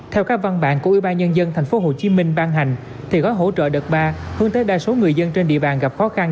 theo các văn bản của ubnd tp hcm ban hành thì gói hỗ trợ đợt ba hướng tới đa số người dân trên địa bàn gặp khó khăn